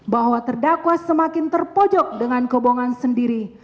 bahwa terdakwa semakin terpojok dengan kebohongan sendiri